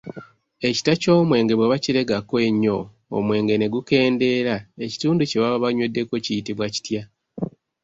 Ekita ky'omwenge bwe bakiregako ennyo omwenge ne gukendeera, ekituundu kye baba banyweddeko kiyitibwa kitya?